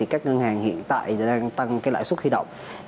các ngân hàng hiện tại đang tăng lãi suất huy động